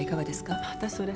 またそれ？